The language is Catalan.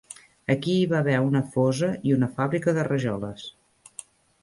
Aquí hi va haver una fosa i una fàbrica de rajoles.